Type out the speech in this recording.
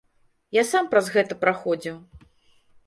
Я сам праз гэта праходзіў.